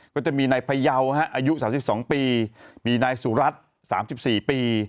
ก็จะมีนายพยาวอายุ๓๒ปีมีนายสุรัตน์๓๔ปี